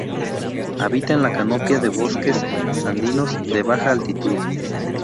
Habita en la canopia de bosques andinos de baja altitud.